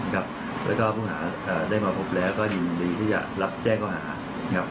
และพวกเราได้มาพบแล้วอย่างดีที่จะรับแจ้งเข้าหา